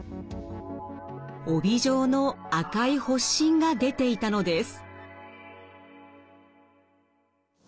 帯状の赤い発疹が出ていたのです。